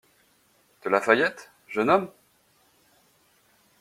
De La Fayette, jeune homme?